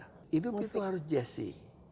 hidup itu harus jasi